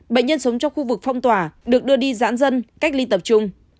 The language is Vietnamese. bệnh nhân sống trong khu vực phong tỏa được đưa đi giãn dân cách ly tập trung